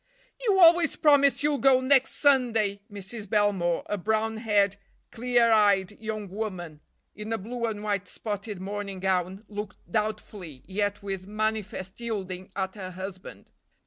"You always promise you'll go next Sunday." Mrs. Belmore, a brown haired, clear eyed young woman in a blue and white spotted morning gown, looked doubtfully, yet with manifest yielding, at her husband.